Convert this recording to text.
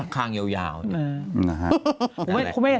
ข้างยาวเนี่ย